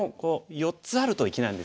４つあると生きなんですよね。